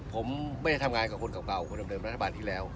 ผมไม่ได้ทำงานกับคนเก่าคนเดิมรัฐบาลที่แล้ว